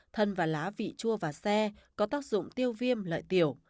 thân và lá vị chua và xe có tác dụng tiêu viêm lợi tiểu